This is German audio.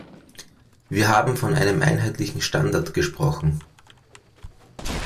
Wir haben von einem einheitlichen Standard gesprochen.